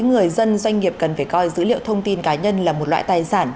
người dân doanh nghiệp cần phải coi dữ liệu thông tin cá nhân là một loại tài sản